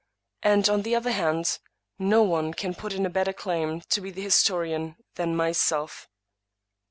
And, on the other hand, no one can put in a better claim to be the historian than myself.